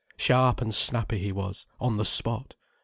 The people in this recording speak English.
Sharp and snappy, he was, on the spot.